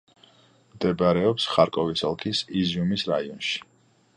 მდებარეობს ხარკოვის ოლქის იზიუმის რაიონში.